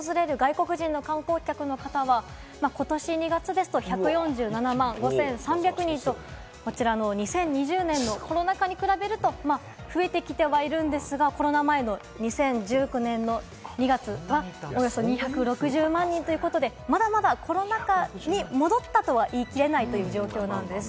日本訪れる外国人の観光客の方は今年２月ですと１４７万５３００人と、２０２０年のコロナ禍に比べると増えてきてはいるんですが、コロナ前の２０１９年の２月はおよそ２６０万人ということで、まだまだコロナ禍前に戻ったとは言えない状況なんです。